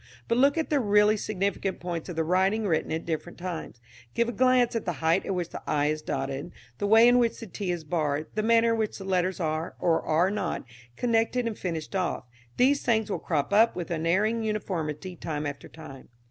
But look at the really significant points of the writing written at different times. Give a glance at the height at which the 'i' is dotted, the way in which the 't' is barred, the manner in which the letters are, or are not, connected and finished off. These things will crop up with unerring uniformity time after time.